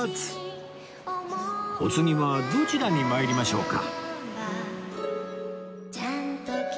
お次はどちらに参りましょうか？